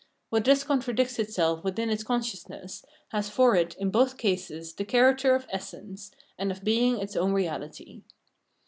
What thus contradicts itself within its consciousness has for it in both cases the character of essence, and of being its own reahty.